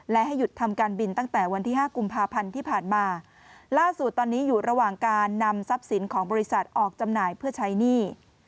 และให้หยุดทำการบินตั้งแต่วันที่ห้ากุมภาพันธ์ที่ผ่านมาล่าสุดตอนนี้อยู่ระหว่างการนำทรัพย์สินของบริษัทออกจำหน่ายเพื่อใช้หนี้